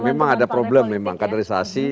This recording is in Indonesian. memang ada problem memang kaderisasi